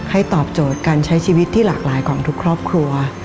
ตอบโจทย์การใช้ชีวิตที่หลากหลายของทุกครอบครัว